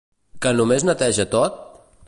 Que només neteja tot?